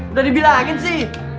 udah dibilangin sih